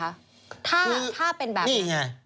ถ้าเป็นแบบนี้ไง